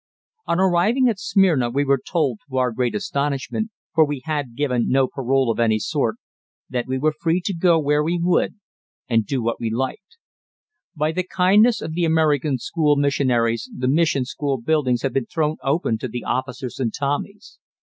On arriving at Smyrna we were told, to our great astonishment, for we had given no parole of any sort, that we were free to go where we would and do what we liked. By the kindness of the American School Missionaries the mission school buildings had been thrown open to the officers and Tommies.